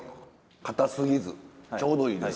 かたすぎずちょうどいいです。